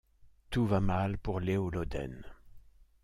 Tout va mal pour Léo Loden.